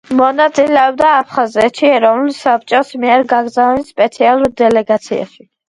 მონაწილეობდა აფხაზეთში ეროვნული საბჭოს მიერ გაგზავნილ სპეციალურ დელეგაციაში.